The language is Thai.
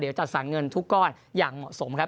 เดี๋ยวจัดสรรเงินทุกก้อนอย่างเหมาะสมครับ